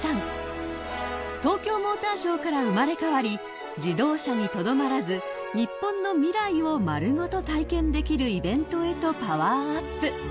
［東京モーターショーから生まれ変わり自動車にとどまらず日本の未来を丸ごと体験できるイベントへとパワーアップ］